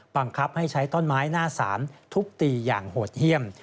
บังคับให้ใช้ต้นไม้หน้าสามทุบตีอย่างโหดเยี่ยม